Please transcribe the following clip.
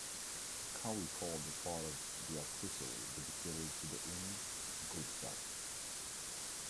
Cowie called the part of the accessory dedicated to the Inn "good stuff".